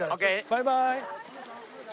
バイバイ！